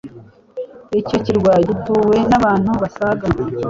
icyo kirwa gituwe n abantu basaga